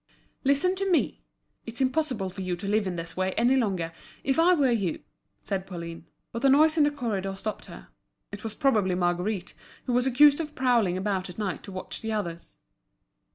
"Listen to me, it's impossible for you to live in this way any longer. If I were you—" said Pauline. But a noise in the corridor stopped her. It was probably Marguerite, who was accused of prowling about at night to watch the others.